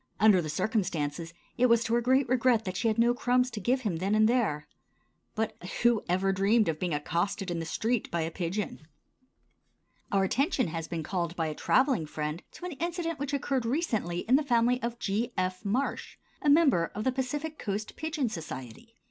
Under the circumstances, it was to her great regret that she had no crumbs to give him then and there. But who ever dreamed of being accosted in the street by a pigeon? Our attention has been called by a traveling friend to an incident which occurred recently in the family of G. F. Marsh, a member of the Pacific Coast Pigeon Society.